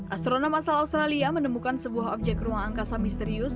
astronom asal australia menemukan sebuah objek ruang angkasa misterius